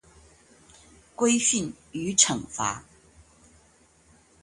規訓與懲罰